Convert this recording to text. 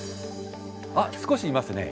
あっ少しいますね。